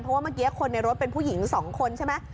เพราะว่าเมื่อกี้คนในรถเป็นผู้หญิง๒คนใช่ไหม